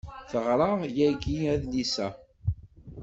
Teɣra yagi adlis-a.